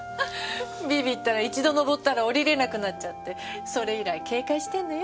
ビビったら一度登ったら下りれなくなっちゃってそれ以来警戒してるのよ。